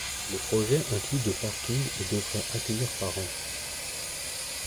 Le projet inclut de parking et devrait accueillir par an.